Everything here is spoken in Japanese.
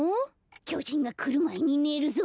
きょじんがくるまえにねるぞ。